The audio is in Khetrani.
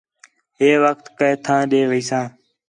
ہے وخت کئے تھاں ݙے ویساں